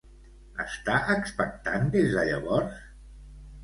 Està expectant des de llavors?